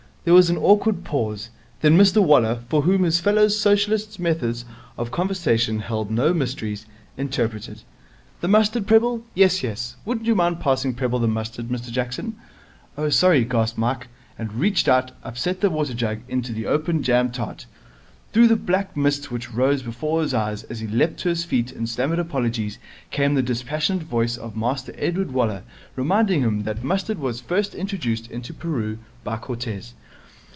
There was an awkward pause. Then Mr Waller, for whom his fellow Socialist's methods of conversation held no mysteries, interpreted. 'The mustard, Prebble? Yes, yes. Would you mind passing Prebble the mustard, Mr Jackson?' 'Oh, sorry,' gasped Mike, and, reaching out, upset the water jug into the open jam tart. Through the black mist which rose before his eyes as he leaped to his feet and stammered apologies came the dispassionate voice of Master Edward Waller reminding him that mustard was first introduced into Peru by Cortez.